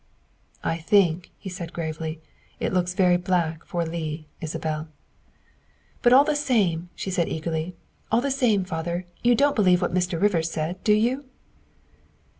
" I think," he said gravely, " it looks very black for Leigh, Isabel." " But all the same," she said eagerly, " all the same, father, you don't believe what Mr. Rivers said, do you?"